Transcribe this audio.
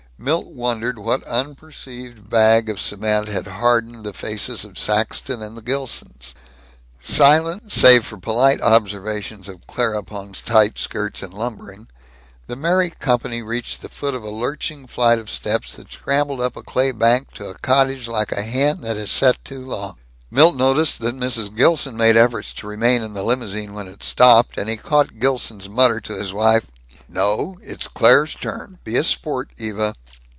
Milt wondered what unperceived bag of cement had hardened the faces of Saxton and the Gilsons. Silent save for polite observations of Claire upon tight skirts and lumbering, the merry company reached the foot of a lurching flight of steps that scrambled up a clay bank to a cottage like a hen that has set too long. Milt noticed that Mrs. Gilson made efforts to remain in the limousine when it stopped, and he caught Gilson's mutter to his wife, "No, it's Claire's turn. Be a sport, Eva."